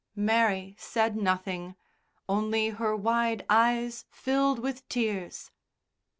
Mary said nothing, only her wide eyes filled with tears.